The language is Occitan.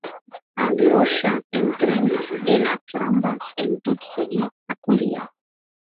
Aliosha entrèc ena cramba en tot seguir a Kolia.